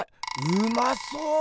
うまそう！